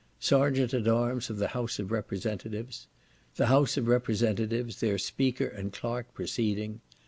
Sergeant at arms of the House of Representatives. The House of Representatives, Their Speaker and Clerk preceding.